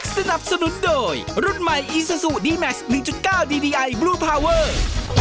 สนับสนุนโดยรุ่นใหม่อีซาซูดีแม็กซ์หนึ่งจุดเก้าดีดีไอบลูพาเวอร์